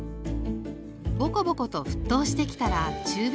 ボコボコと沸騰してきたら中火に落とします。